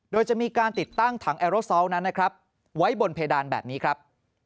โดยจะมีการติดตั้งถังแอโรซอลนั้นนะครับไว้บนเพดานแบบนี้ครับ